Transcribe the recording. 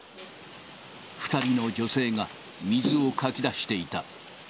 ２人の女性が、水をかき出していた。